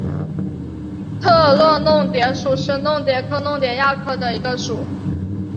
特乐弄蝶属是弄蝶科弄蝶亚科中的一个属。